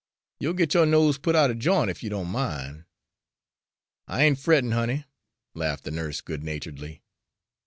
"You'll get yo' nose put out er j'int, ef you don't min'." "I ain't frettin', honey," laughed the nurse good naturedly.